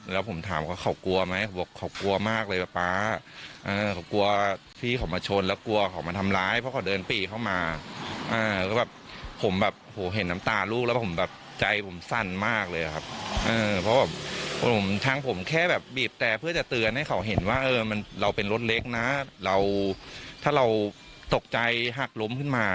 เราเป็นรถเล็กนะถ้าเราตกใจหักล้มขึ้นมา